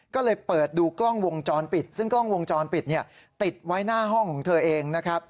ก็เลยเปิดดูกล้องวงจรปิดซึ่งกล้องวงจรปิดเนี่ยติดไว้หน้าห้องของเธอเองนะครับ